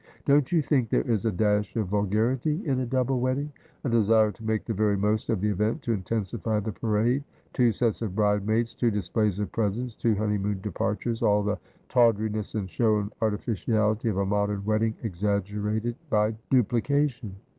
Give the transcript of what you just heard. Don't you think there is a dash of vulgarity in a double wedding : a desire to make the very most of the event, to intensify the parade : two sets of bridesmaids, two displays of presents; two honeymoon departures : all the tawdriness and show and artificiality of a modern wedding exag gerated by duplication